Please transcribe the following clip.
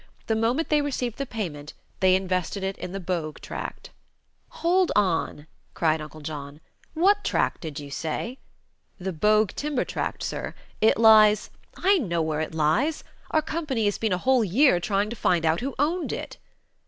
The moment they received the payment they invested it in the Bogue tract " "Hold on!" cried Uncle John. "What tract did you say?" "The Bogue timber tract, sir. It lies " "I know where it lies. Our company has been a whole year trying to find out who owned it."